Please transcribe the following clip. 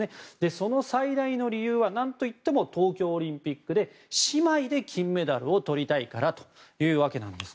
その最大の理由は、何といっても東京オリンピックで姉妹で金メダルを取りたいからというわけなんです。